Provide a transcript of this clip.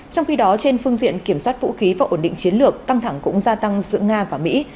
trong khi đó trên phương diện kiểm soát vũ khí và ổn định chiến lược căng thẳng cũng gia tăng giữa nga và mỹ